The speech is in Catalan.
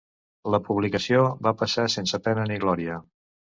La publicació va passar sense pena ni glòria.